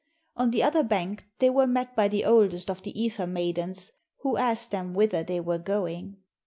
On the other bank they were met by the oldest of the Ether maidens, who asked them whither they were going.